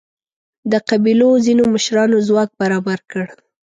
د قبیلو ځینو مشرانو ځواک برابر کړ.